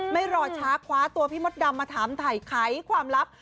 ไม่รอช้าคว้าตัวพี่มดดำมาถามถ่ายไขความลับ